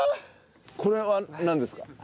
これはなんですか？